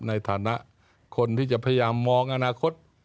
ในฐานะคนที่จะพยายามมองอนาคต